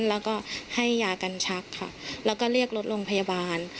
แล้วก็ให้ยากันชักค่ะแล้วก็เรียกรถโรงพยาบาล